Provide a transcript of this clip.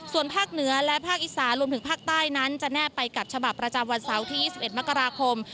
ส่วนภาคเหนือและภาคอีสานรวมถึงภาคใต้นั้นจะแนบไปกับฉบับประจำวันเสาร์ที่๒๑มกราคม